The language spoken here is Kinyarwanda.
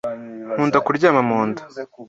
Nkunda kuryama munda.